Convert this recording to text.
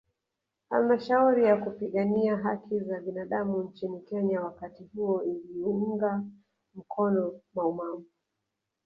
Halmashauri ya kupigania haki za binadamu nchini Kenya wakati huo iliunga mkono maumau